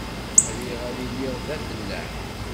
Riɣ ad iliɣ d afellaḥ.